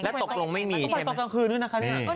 ตกลงโดยตอนกลางขึ้นชั้น